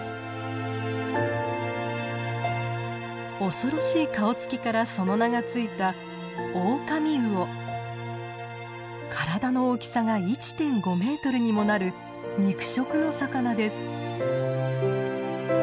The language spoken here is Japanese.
恐ろしい顔つきからその名が付いた体の大きさが１．５メートルにもなる肉食の魚です。